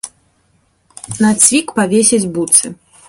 На цвік павесіць буцы.